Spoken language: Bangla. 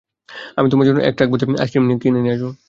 আমি তোমার জন্য এক ট্রাক ভর্তি আইসক্রিম নিয়ে আসব।